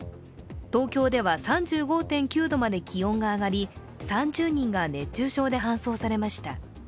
東京では３５．９度まで気温が上がり３０人が熱中症で搬送されました。